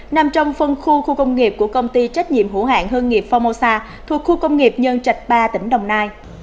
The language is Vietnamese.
nằm trong phân khu khu công nghiệp của công ty trách nhiệm hữu hạng hương nghiệp phongmosa thuộc khu công nghiệp nhân trạch ba tỉnh đồng nai